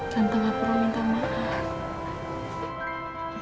tante gak perlu minta maaf